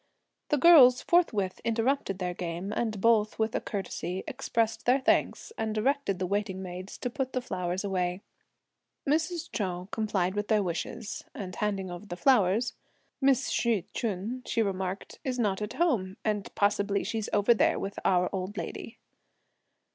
The girls forthwith interrupted their game, and both with a curtsey, expressed their thanks, and directed the waiting maids to put the flowers away. Mrs. Chou complied with their wishes (and handing over the flowers); "Miss Hsi Ch'un," she remarked, "is not at home; and possibly she's over there with our old lady."